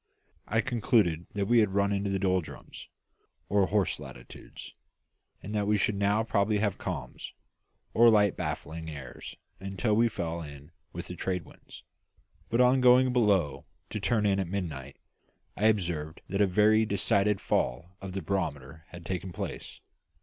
I concluded that we had run into the doldrums, or horse latitudes, and that we should now probably have calms, or light baffling airs until we fell in with the trade winds; but on going below to turn in at midnight, I observed that a very decided fall of the barometer had taken place.